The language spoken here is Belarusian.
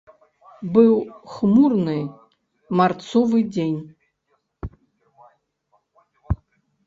Быў хмурны марцовы дзень.